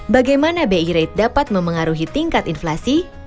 bagaimana bi rate dapat memengaruhi tingkat inflasi